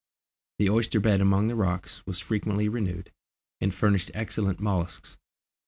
The oyster bed among the rocks was frequently renewed, and furnished excellent molluscs.